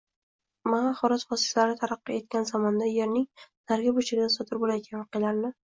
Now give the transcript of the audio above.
Ommaviy axborot vositalari taraqqiy etgan zamonda yerning narigi burchagida sodir bo‘layotgan voqealarni